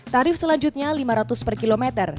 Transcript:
tarif selanjutnya rp lima ratus per km